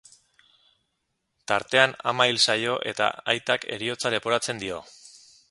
Tartean ama hil zaio eta aitak heriotza leporatzen dio.